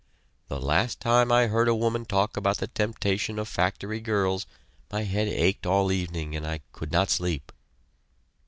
The last time I heard a woman talk about the temptation of factory girls, my head ached all evening and I could not sleep."